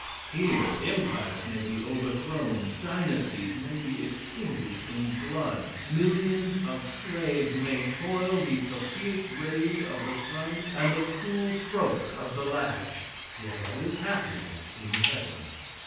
Here empires may be overthrown; dynasties may be extinguished in blood; millions of slaves may toil 'neath the fierce rays of the sun, and the cruel strokes of the lash; yet all is happiness in heaven.